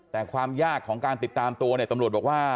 แต่ความยากของการติดตามตัวเนี่ยตำรวจบอกว่า